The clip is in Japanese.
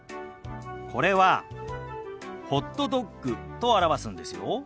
これは「ホットドッグ」と表すんですよ。